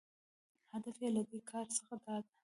هدف یې له دې کاره څخه داده